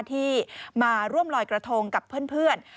ที่มาร่วมลอยกระทงกับเพื่อน